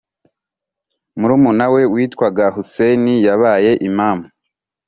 murumuna we witwaga ḥusayn yabaye imam